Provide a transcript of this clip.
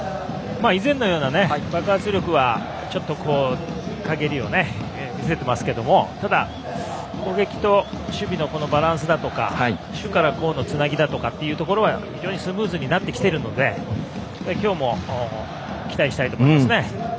以前のような爆発力はちょっとかげりを見せてますけどただ、攻撃と守備のバランスだとか守から攻のつなぎだとか非常にスムーズになってきているので今日も期待したいと思います。